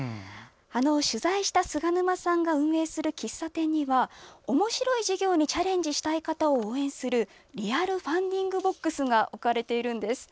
取材した菅沼さんが運営する喫茶店には面白い事業にチャレンジしたい方を応援するリアルファンディングＢＯＸが置かれているんです。